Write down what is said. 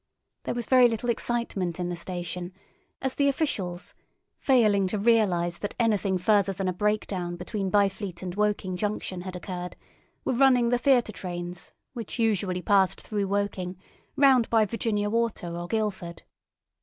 There was very little excitement in the station, as the officials, failing to realise that anything further than a breakdown between Byfleet and Woking junction had occurred, were running the theatre trains which usually passed through Woking round by Virginia Water or Guildford.